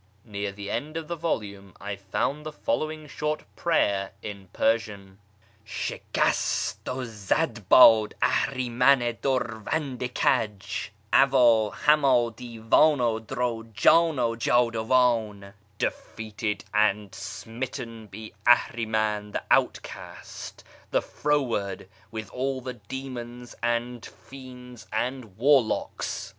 Near the end of the volume I found the following short prayer in Persian :" Shihast u zad had Ahriman i durvand i kaj, avct hamd divdn u drujAn u jdduvdn" " Defeated and smitten be Ahriman the outcast, the froward, with all the demons and fiends and warlocks."